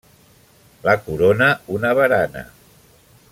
La corona una barana.